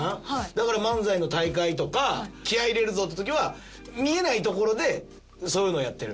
だから漫才の大会とか気合入れるぞって時は見えないところでそういうのをやってる。